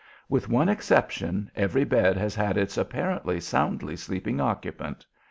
With one exception every bed has had its apparently soundly sleeping occupant.